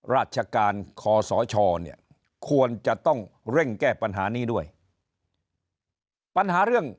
ราชการคอสชเนี่ยควรจะต้องเร่งแก้ปัญหานี้ด้วยปัญหาเรื่อง